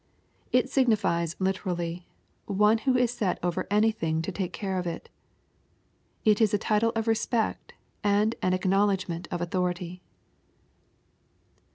It signifies literally. " one who is set over anything to take care of it" It is a title or respect, and an acknowledgment of authority.